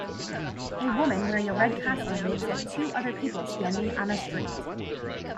A woman wearing a red costume looks at two other people standing on a street.